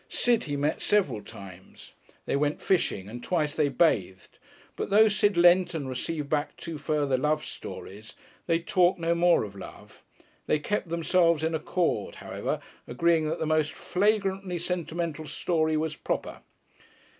Sid he met several times; they went fishing, and twice they bathed; but though Sid lent and received back two further love stories, they talked no more of love. They kept themselves in accord, however, agreeing that the most flagrantly sentimental story was "proper."